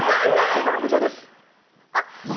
正解はこちらです。